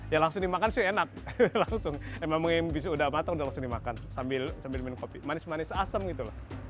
ya langsung dimakan sih enak langsung emang yang bisa udah matang udah langsung dimakan sambil minum kopi manis manis asem gitu loh